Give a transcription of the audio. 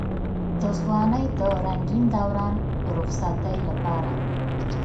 د ځوانۍ د رنګين دوران رخصتۍ لپاره.